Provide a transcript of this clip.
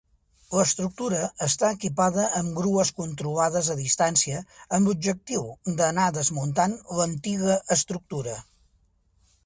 L'estructura està equipada amb grues controlades a distància amb l'objectiu d'anar desmuntant l'antiga estructura.